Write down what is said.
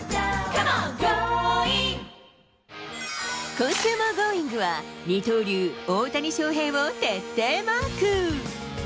今週もＧｏｉｎｇは、二刀流、大谷翔平を徹底マーク。